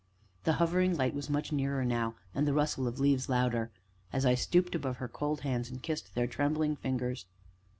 The hovering light was much nearer now, and the rustle of leaves louder, as I stooped above her cold hands, and kissed their trembling fingers.